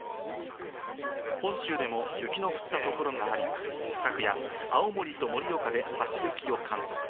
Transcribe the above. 本州でも雪の降った所があり、昨夜、青森と盛岡で初雪を観測。